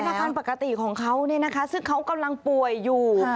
เป็นอาการปกติของเขาเนี่ยนะคะซึ่งเขากำลังป่วยอยู่